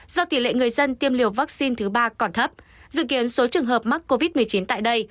do tỷ lệ người dân tiêm liều vaccine thứ ba còn thấp dự kiến số trường hợp mắc covid một mươi chín tại đây